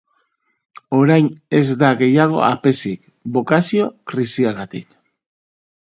Orai ez da gehiago apezik, bokazio krisiagatik.